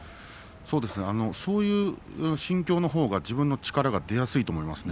そういう心境のほうが自分の力が出やすいですね。